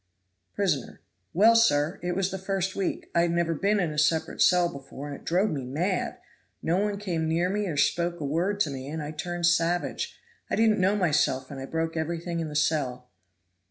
Prisoner. "Well, sir! it was the first week. I had never been in a separate cell before, and it drove me mad; no one came near me or spoke a word to me, and I turned savage; I didn't know myself, and I broke everything in the cell."